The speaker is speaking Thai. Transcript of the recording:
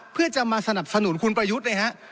เพื่อจะมาสนับสนุนคุณประยุทธ์เลยฮะ